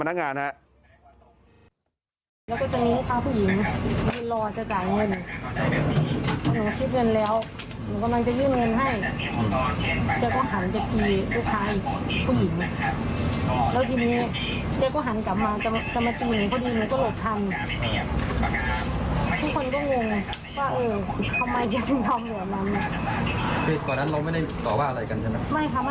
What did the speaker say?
ไม่ค่ะไม่ไม่รู้จักกันเลยที่แรกนี้ว่าเขารู้จักกัน